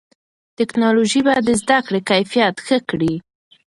ټیکنالوژي به د زده کړې کیفیت ښه کړي.